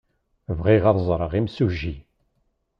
Bɣiɣ ad ẓreɣ imsujji.